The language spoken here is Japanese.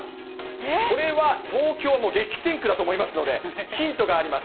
これは、東京はもう激戦区だと思いますので、ヒントがあります。